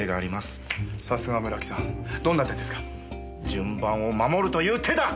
順番を守るという手だ！